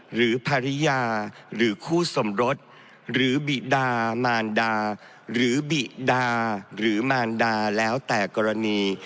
หรือภรรยาหรือคู่สมรสหรือบิดามารดาหรือบิดาหรือมารดาแล้วแต่กรณี